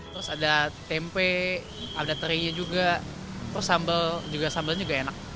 terus ada tempe ada terinya juga terus sambalnya juga enak